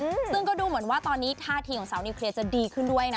อืมซึ่งก็ดูเหมือนว่าตอนนี้ท่าทีของสาวนิวเคลียร์จะดีขึ้นด้วยนะ